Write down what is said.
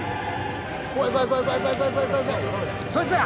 ・そいつや！